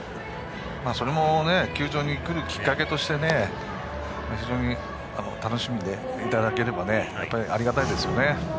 それも球場に来るきっかけとして非常に楽しんでいただければありがたいですよね。